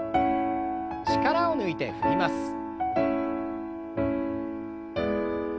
力を抜いて振ります。